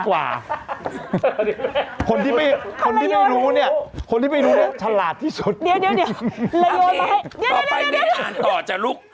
เข้าไปแล้วอ่านต่อจะลุก